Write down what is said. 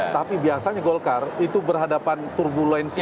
tapi biasanya golkar itu berhadapan turbulensi